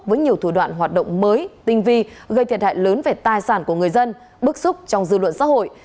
với nhiều thủ đoạn hoạt động mới tinh vi gây thiệt hại lớn về tài sản của người dân bức xúc trong dư luận xã hội